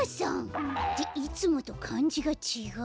っていつもとかんじがちがう。